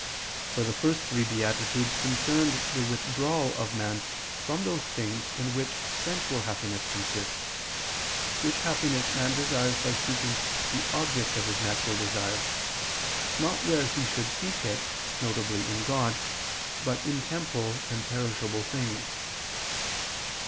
For the first three beatitudes concerned the withdrawal of man from those things in which sensual happiness consists: which happiness man desires by seeking the object of his natural desire, not where he should seek it, viz. in God, but in temporal and perishable things.